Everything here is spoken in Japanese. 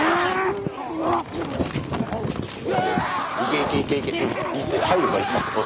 いけいけいけいけ入るぞ一発。